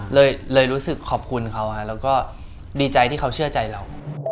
เลยรู้สึกขอบคุณเขาแล้วก็ดีใจที่เขาเชื่อใจเรา